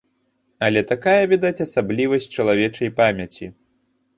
Але такая, відаць, асаблівасць чалавечай памяці.